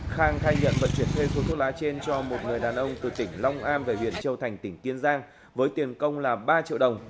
khang khai nhận vận chuyển thuê số thuốc lá trên cho một người đàn ông từ tỉnh long an về huyện châu thành tỉnh kiên giang với tiền công là ba triệu đồng